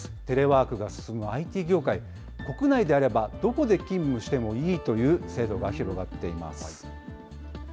テレワークが進むＩＴ業界、国内であれば、どこで勤務してもいいという制度が広がっています。